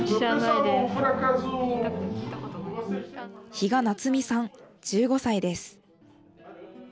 比嘉夏美さん、１５歳です。